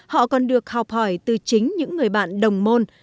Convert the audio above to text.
họ còn được học hỏi từ chính những người bạn đồng môn